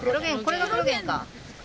これがクロゲンか。